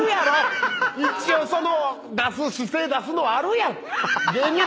一応その出す姿勢出すのはあるやん！